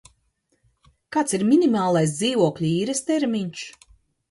Kāds ir minimālais dzīvokļa īres termiņš?